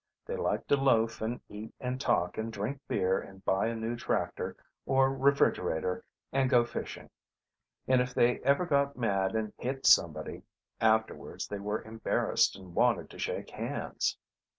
They liked to loaf and eat and talk and drink beer and buy a new tractor or refrigerator and go fishing. And if they ever got mad and hit somebody afterwards they were embarrassed and wanted to shake hands....